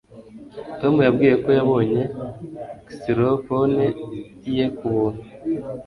tom yambwiye ko yabonye xylophone ye kubuntu